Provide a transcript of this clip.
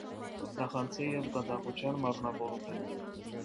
Նախանձի և կատաղության մարմնավորում է։